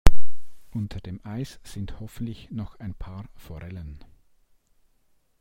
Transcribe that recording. Unter dem Eis sind hoffentlich noch ein paar Forellen.